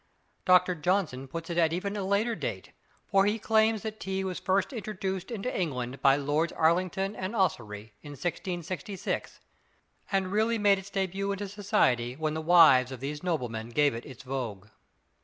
Dr. Johnson puts it at even a later date, for he claims that tea was first introduced into England by Lords Arlington and Ossory, in 1666, and really made its debut into society when the wives of these noblemen gave it its vogue.